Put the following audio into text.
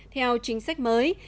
theo chính sách mới